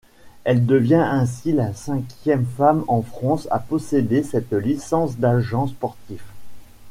Elle devient ainsi la cinquième femme en France à posséder cette licence d'agent sportif.